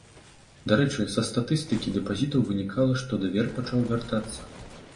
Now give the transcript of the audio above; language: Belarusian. Дарэчы, са статыстыкі дэпазітаў вынікала, што давер пачаў вяртацца.